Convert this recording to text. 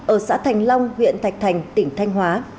ở xã thành long huyện thạch thành tỉnh thanh hóa